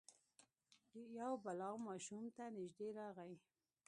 یو بلا ماشوم ته نژدې راغی.